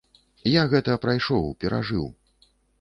Я гэта прайшоў, перажыў.